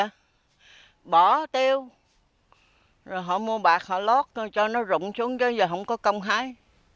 bà con bây giờ bỏ tiêu rồi họ mua bạc họ lót cho nó rụng xuống chứ giờ không có công hái